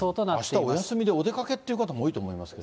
あしたお休みでお出かけっていう方も多いと思いますけどね。